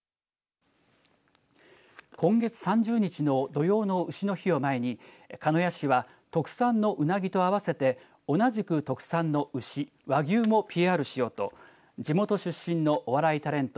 今月３０日の土用の丑の日を前に鹿屋市は特産のうなぎと合わせて同じく特産の牛和牛もＰＲしようと地元出身のお笑いタレント